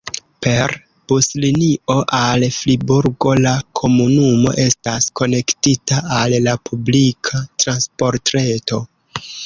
Per buslinio al Friburgo la komunumo estas konektita al la publika transportreto.